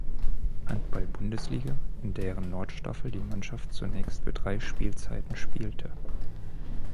Handball-Bundesliga, in deren Nordstaffel die Mannschaft zunächst für drei Spielzeiten spielte.